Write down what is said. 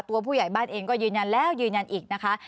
ผู้ใหญ่บ้านเองก็ยืนยันแล้วยืนยันอีกนะคะ